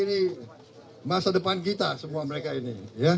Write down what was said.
ini masa depan kita semua mereka ini